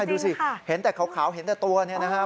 ดูสิเห็นแต่ขาวเห็นแต่ตัวเนี่ยนะครับ